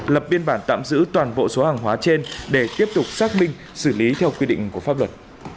lập biên bản tạm giữ toàn bộ số hàng hóa trên để tiếp tục xác minh xử lý theo quy định của pháp luật